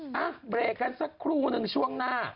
อ่ะเบรกกันสักครู่หนึ่งช่วงหน้า